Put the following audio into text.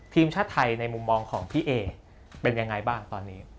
ทีมชาติไทยในมุมมองของพี่เอเป็นยังไงบ้างตอนนี้